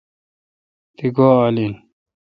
تی گوا آل این